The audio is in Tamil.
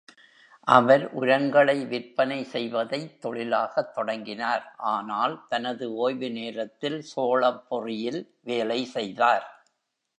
அவர் உரங்களை விற்பனை செய்வதைத் தொழிலாகத் தொடங்கினார், ஆனால் தனது ஓய்வு நேரத்தில் சோளப் பொறியில் வேலை செய்தார்.